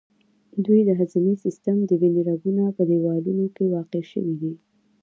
دوی د هضمي سیستم، د وینې د رګونو په دیوالونو کې واقع شوي دي.